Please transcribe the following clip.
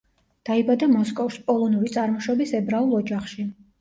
დაიბადა მოსკოვში პოლონური წარმოშობის ებრაულ ოჯახში.